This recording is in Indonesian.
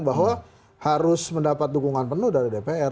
bahwa harus mendapat dukungan penuh dari dpr